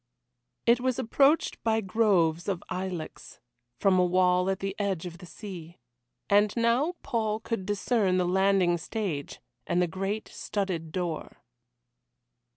It was approached by groves of ilex, from a wall at the edge of the sea. And now Paul could discern the landing stage, and the great studded door.